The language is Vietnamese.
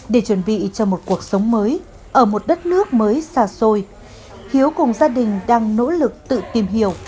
để chuẩn bị cho một cuộc sống mới ở một đất nước mới xa xôi hiếu cùng gia đình đang nỗ lực tự tìm hiểu